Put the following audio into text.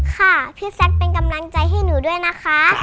ค่ะพี่แซคเป็นกำลังใจให้หนูด้วยนะคะ